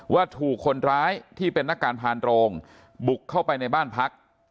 ว่าถูกคนร้ายที่เป็นนักการพานโรงบุกเข้าไปในบ้านพัก